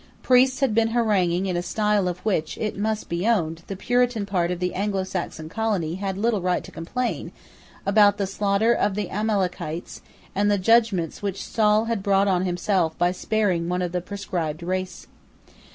Priests had been haranguing in a style of which, it must be owned, the Puritan part of the Anglosaxon colony had little right to complain, about the slaughter of the Amalekites, and the judgments which Saul had brought on himself by sparing one of the proscribed race.